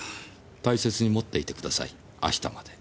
大切に持っていてください明日まで。